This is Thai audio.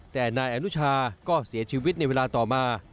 แต่นายอนุชาก็เสียชีวิตในเวลาต่อมา